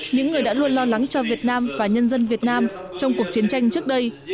những người đã luôn lo lắng cho việt nam và nhân dân việt nam trong cuộc chiến tranh trước đây